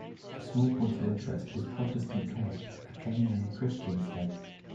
A small point of interest is Protestant Cay, a cay near Christiansted.